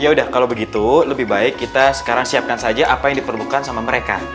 ya udah kalau begitu lebih baik kita sekarang siapkan saja apa yang diperlukan sama mereka